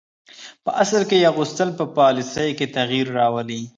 په اصل کې یې غوښتل په پالیسي کې تغییر راولي.